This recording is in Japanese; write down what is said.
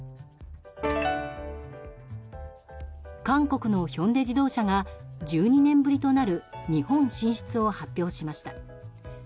韓国のヒョンデ自動車が１２年ぶりとなる日本進出を発表しました。